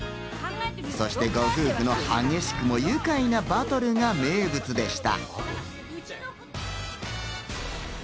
そしてご夫婦にも激しくも愉快なバトルが名物でした。